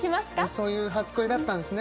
そういう初恋だったんですね